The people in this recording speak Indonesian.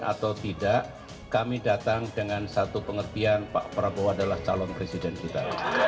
atau tidak kami datang dengan satu pengertian pak prabowo adalah calon presiden kita